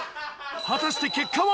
果たして結果は。